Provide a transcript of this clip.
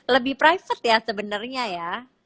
lebih private ya sebenarnya ya